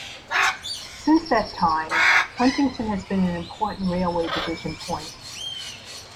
Since that time, Huntington has been an important railway division point.